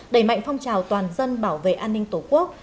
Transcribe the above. đẩy mạnh phong trào toàn dân bảo vệ an ninh tổ quốc